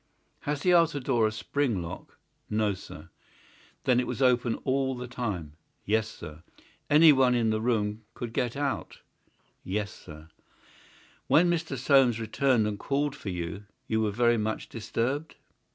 "Has the outer door a spring lock?" "No, sir." "Then it was open all the time?" "Yes, sir." "Anyone in the room could get out?" "Yes, sir." "When Mr. Soames returned and called for you, you were very much disturbed?"